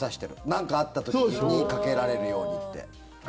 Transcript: なんかあった時にかけられるようにって。